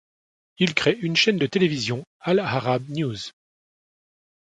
Il crée une chaîne de télévision, Al-Arab News.